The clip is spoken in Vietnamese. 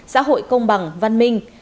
xã hội công bằng văn minh